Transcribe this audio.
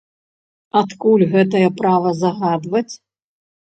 Адкуль гэтае права загадваць?